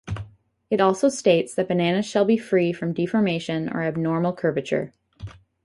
It also states that bananas shall be free from deformation or abnormal curvature.